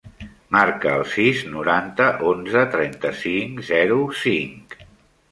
Marca el sis, noranta, onze, trenta-cinc, zero, cinc.